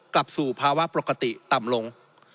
กลับสู่ภาวะปกติต่ำลง